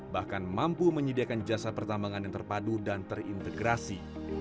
bahkan mampu menyediakan jasa pertambangan yang terpadu dan terintegrasi